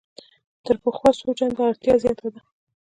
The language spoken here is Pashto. تر پخوا څو چنده اړتیا زیاته ده.